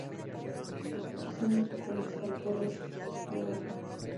Son importantes controles biológicos.